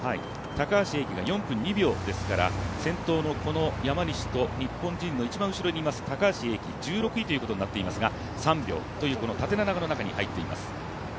高橋英輝が４分２秒ですから先頭のこの山西と日本人の一番後ろにいます高橋英輝、１６位ということになっていますが、３秒という縦長の中に入っています。